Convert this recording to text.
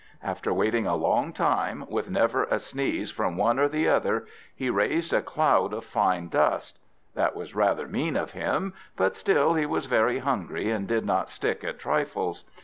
After waiting a long time, with never a sneeze from one or the other, he raised a cloud of fine dust; that was rather mean of him, but still he was very hungry, and did not stick at trifles.